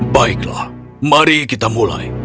baiklah mari kita mulai